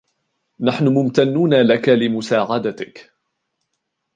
نحن ممتنون لك لمساعدتك.